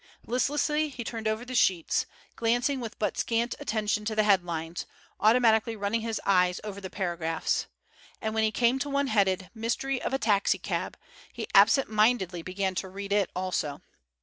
Listlessly he turned over the sheets, glancing with but scant attention to the headlines, automatically running his eyes over the paragraphs. And when he came to one headed "Mystery of a Taxi cab," he absent mindedly began to read it also.